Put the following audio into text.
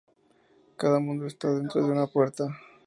Cada mundo está dentro de una puerta.